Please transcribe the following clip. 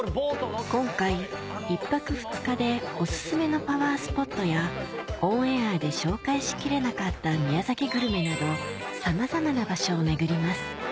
今回１泊２日でおすすめのパワースポットやオンエアで紹介し切れなかった宮崎グルメなどさまざまな場所を巡ります